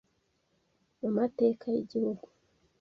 mu mateka y’Igihugu.